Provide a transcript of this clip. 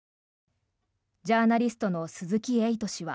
ジャーナリストの鈴木エイト氏は。